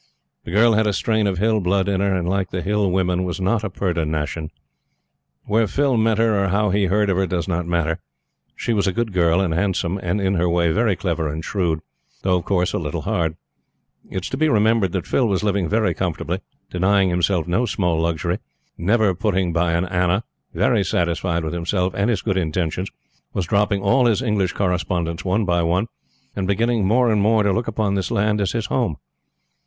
The girl had a strain of Hill blood in her, and, like the Hill women, was not a purdah nashin. Where Phil met her, or how he heard of her, does not matter. She was a good girl and handsome, and, in her way, very clever and shrewd; though, of course, a little hard. It is to be remembered that Phil was living very comfortably, denying himself no small luxury, never putting by an anna, very satisfied with himself and his good intentions, was dropping all his English correspondents one by one, and beginning more and more to look upon this land as his home.